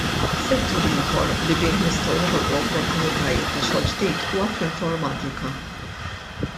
Settur ieħor li bih nistgħu noħolqu opportunitajiet ta' xogħol ġdid huwa fl-informatika.